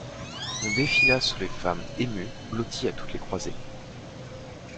On défila sous les femmes émues, blotties à toutes les croisées.